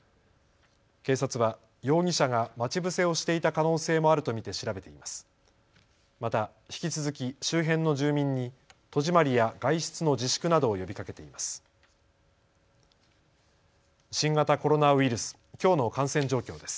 警察は容疑者が待ち伏せをしていた可能性もあると見て調べています。